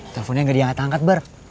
teleponnya gak diangkat angkat bar